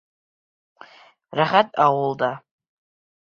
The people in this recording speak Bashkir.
Рәхәт ауылда.